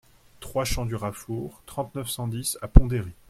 trois champ du Rafourg, trente-neuf, cent dix à Pont-d'Héry